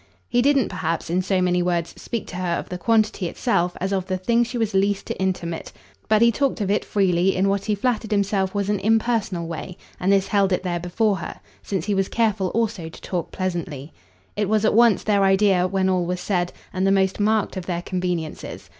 He didn't perhaps in so many words speak to her of the quantity itself as of the thing she was least to intermit; but he talked of it, freely, in what he flattered himself was an impersonal way, and this held it there before her since he was careful also to talk pleasantly. It was at once their idea, when all was said, and the most marked of their conveniences.